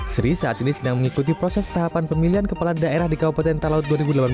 sri saat ini sedang mengikuti proses tahapan pemilihan kepala daerah di kabupaten talaut dua ribu delapan belas